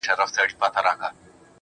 ته چیري تللی یې اشنا او زندګي چیري ده.